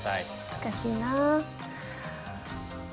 難しいなあ。